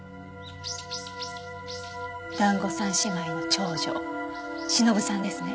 団子三姉妹の長女しのぶさんですね？